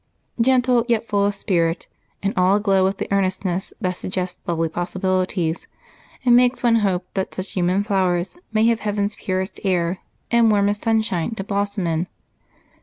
Gentle yet full of spirit, and all aglow with the earnestness that suggests lovely possibilities and makes one hope that such human flowers may have heaven's purest air and warmest sunshine to blossom in.